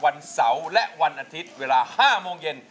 วันเสาร์และวันอาทิตย์เวลา๕โมงเย็น